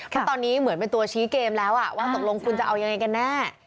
เพราะตอนนี้เหมือนเป็นตัวชี้เกมแล้วว่าตกลงคุณจะเอายังไงกันแน่